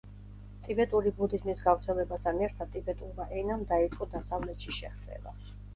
ტიბეტური ბუდიზმის გავრცელებასთან ერთად ტიბეტურმა ენამ დაიწყო დასავლეთში შეღწევა.